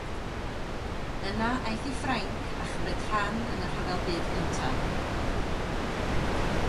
Yna aeth i Ffrainc a chymryd rhan yn y Rhyfel Byd Cyntaf.